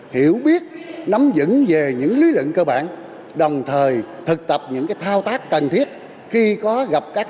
hiểu biết nắm dững về những lý lượng cơ bản đồng thời thực tập những thao tác cần thiết khi có gặp các sự cố